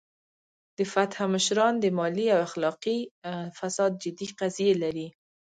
د فتح مشران د مالي او اخلاقي فساد جدي قضیې لري.